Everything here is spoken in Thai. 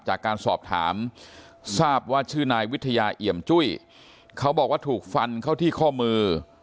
จากการสอบถามทราบว่าชื่อนายวิทยาเอี่ยมจุ้ยเขาบอกว่าถูกฟันเข้าที่ข้อมือ